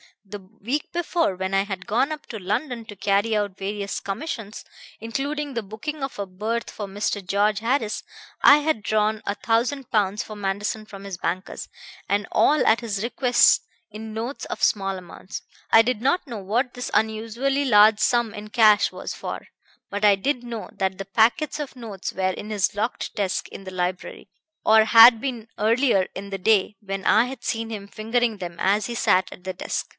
The week before, when I had gone up to London to carry out various commissions, including the booking of a berth for Mr. George Harris, I had drawn a thousand pounds for Manderson from his bankers; and all, at his request, in notes of small amounts. I did not know what this unusually large sum in cash was for; but I did know that the packets of notes were in his locked desk in the library, or had been earlier in the day, when I had seen him fingering them as he sat at the desk.